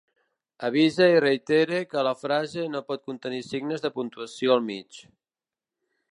Avise i reitere que la frase no pot contenir signes de puntuació al mig